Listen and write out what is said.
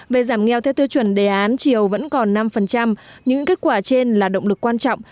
về giảm nghèo theo tiêu chuẩn đề án chiều vẫn còn năm những kết quả trên là động lực quan trọng